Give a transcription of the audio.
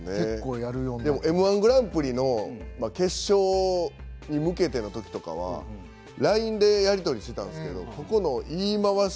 Ｍ−１グランプリの決勝に向けての時とかはＬＩＮＥでやり取りしていたんですけど言い回し